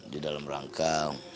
di dalam rangka